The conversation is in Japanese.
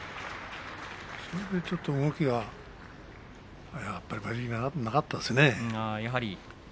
それでちょっと動きがやっぱり馬力がなかったですね。